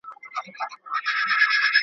ډېر وخت لمر ته ګرځېدل زیان لري.